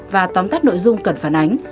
và tóm tắt nội dung cần phản ánh